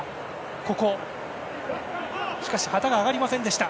ここは旗が上がりませんでした。